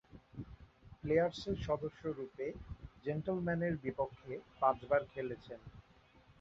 প্লেয়ার্সের সদস্যরূপে জেন্টলম্যানের বিপক্ষে পাঁচবার খেলেছেন।